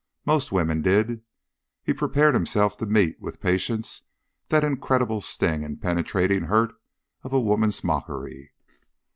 Most women did. He prepared himself to meet with patience that incredible sting and penetrating hurt of a woman's mockery.